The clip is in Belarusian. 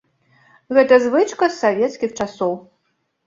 Гэта звычка з савецкіх часоў.